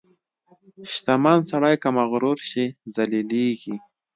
• شتمن سړی که مغرور شي، ذلیلېږي.